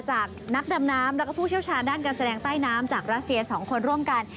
จากนักดำน้ำแล้วก็ผู้เชี่ยวชาญด้านการแสดงใต้น้ำจากรัสเซีย๒คนร่วมกัน